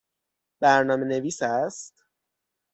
برنامه نویس است؟